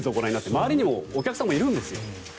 周りにお客さんもいるんですよ。